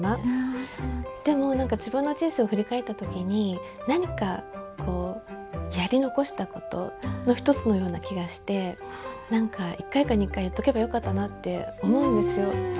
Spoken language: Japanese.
でも自分の人生を振り返った時に何かやり残したことの一つのような気がして何か１回か２回言っとけばよかったなって思うんですよ。